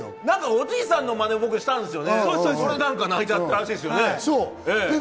おじいさんのマネを僕、したんですよね、それで泣いちゃったらしいですよね。